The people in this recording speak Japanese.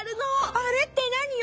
「あれ」って何よ？